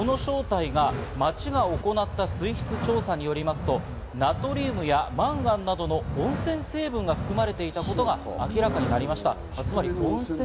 町が行った水質調査によりますと、ナトリウムやマンガンなどの温泉成分が含まれていたことが明らかになりました。